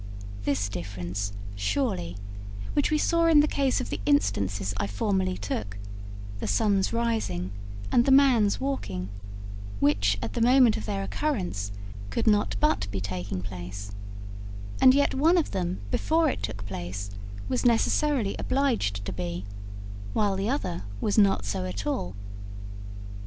This difference, surely, which we saw in the case of the instances I formerly took, the sun's rising and the man's walking; which at the moment of their occurrence could not but be taking place, and yet one of them before it took place was necessarily obliged to be, while the other was not so at all.